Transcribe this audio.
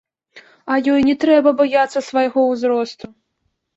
А ёй не трэба баяцца свайго ўзросту.